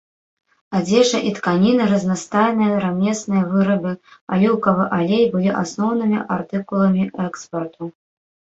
Адзежа і тканіны, разнастайныя рамесныя вырабы, аліўкавы алей былі асноўнымі артыкуламі экспарту.